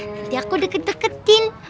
nanti aku deket deketin